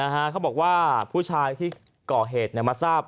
เขาบอกว่าผู้ชายที่ก่อเหตุมาทราบ